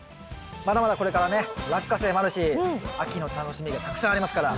まだまだこれからねラッカセイもあるし秋の楽しみがたくさんありますから。